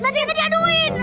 nanti akan diaduin